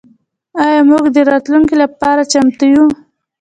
آیا موږ د راتلونکي لپاره چمتو یو؟